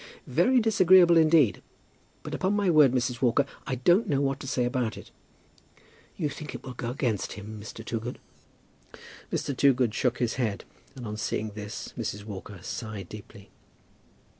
"Very disagreeable, indeed; but, upon my word, Mrs. Walker, I don't know what to say about it." "You think it will go against him, Mr. Toogood?" Mr. Toogood shook his head, and on seeing this, Mrs. Walker sighed deeply.